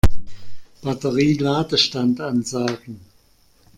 Batterie-Ladestand ansagen.